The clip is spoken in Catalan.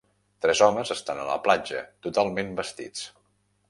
Tres homes estan a la platja, totalment vestits.